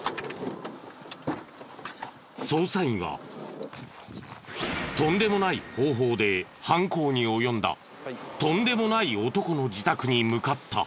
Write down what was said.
捜査員はとんでもない方法で犯行に及んだとんでもない男の自宅に向かった。